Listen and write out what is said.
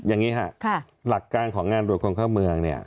อย่างนี้ค่ะหลักการของงานตรวจคนเข้าเมืองเนี่ย